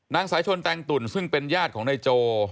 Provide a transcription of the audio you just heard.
นายสายชนแตงตุ่นซึ่งเป็นญาติของนายโจ